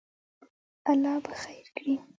الله به خیر کړی